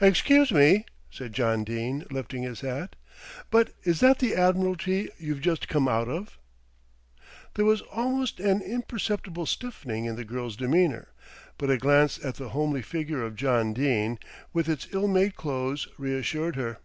"Excuse me," said John Dene, lifting his hat, "but is that the Admiralty you've just come out of?" There was an almost imperceptible stiffening in the girl's demeanour; but a glance at the homely figure of John Dene, with its ill made clothes, reassured her.